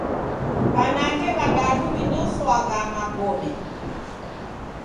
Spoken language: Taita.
W'anake w'adadu w'inoswagha magome.